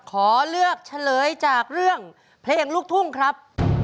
ขอเลือกเฉลยจากเรื่องเพลงลูกทุ่งครับ